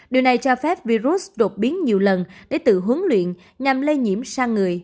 điều này cho phép virus đột biến nhiều lần để tự huấn luyện nhằm lây nhiễm sang người